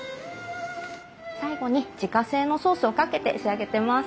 最後に自家製のソースをかけて仕上げてます。